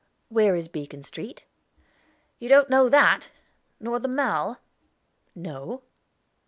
"Where is Beacon Street?" "Don't you know that? Nor the Mall?" "No."